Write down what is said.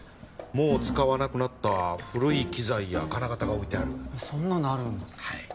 もう使わなくなった古い機材や金型が置いてあるそんなのあるんだはい